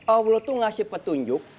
allah tuh ngasih petunjuk